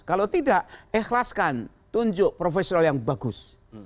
kalau tidak ikhlaskan tunjuk profesional yang bagus